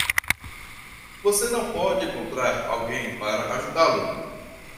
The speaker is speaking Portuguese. Você não pode encontrar alguém para ajudá-lo.